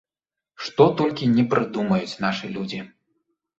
Што толькі не прыдумаюць нашы людзі.